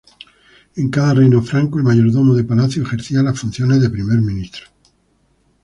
En cada reino franco, el mayordomo de palacio ejercía las funciones de primer ministro.